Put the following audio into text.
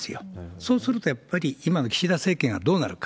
そうするとやっぱり、今の岸田政権がどうなるか。